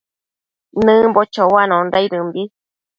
Nëmbo choanondaidëmbi